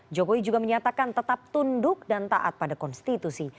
jokowi juga menyatakan tetap tunduk dan taat pada konstitusi